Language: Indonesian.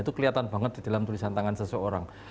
itu kelihatan banget di dalam tulisan tangan seseorang